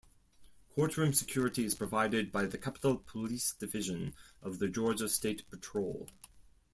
Courtroom security is provided by the Capitol Police Division of the Georgia State Patrol.